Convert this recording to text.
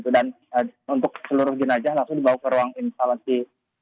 dan untuk seluruh jenazah langsung dibawa ke ruang instalasi